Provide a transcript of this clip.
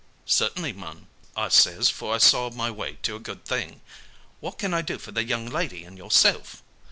"'Cert'nly, mum,' I says for I saw my way to a good thing. 'What can I do for the young lady and yourself?'